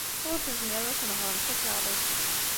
Ur tezmirem ad tnehṛem takeṛṛust.